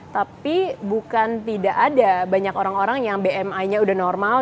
tapi bukan tidak ada banyak orang orang yang bmi nya udah normal